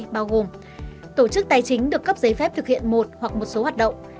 bao gồm tổ chức tài chính được cấp giấy phép thực hiện một hoặc một số hoạt động